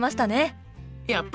やった！